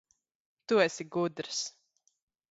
Tu esi gudrs.